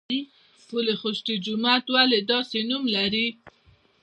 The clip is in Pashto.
پل خشتي جومات ولې داسې نوم لري؟